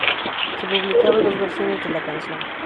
Se publicaron dos versiones de la canción.